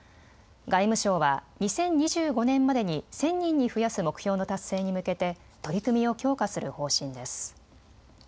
外務省は２０２５年までに１０００人に増やす目標の達成に向けて取り組みを強化する方針です。